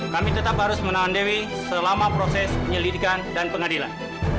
kami tetap harus menahan dewi selama proses penyelidikan dan pengadilan